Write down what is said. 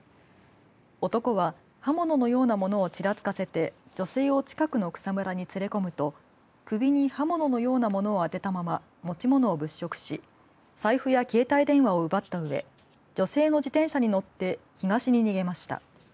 男は刃物のようなものをちらつかせて女性を近くの草むらに連れ込むと首に刃物のような物を当てたまま持ち物を物色し財布や携帯電話を奪ったうえ女性の自転車に乗って東に逃げました。